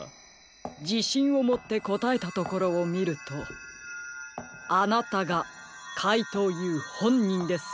じしんをもってこたえたところをみるとあなたがかいとうＵほんにんですね！